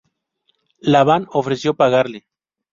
Labán ofreció pagarle.